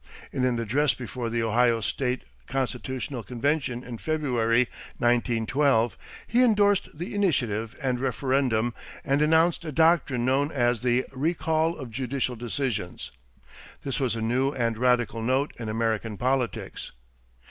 In an address before the Ohio state constitutional convention in February, 1912, he indorsed the initiative and referendum and announced a doctrine known as the "recall of judicial decisions." This was a new and radical note in American politics.